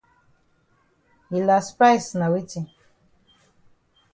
Yi las price na weti?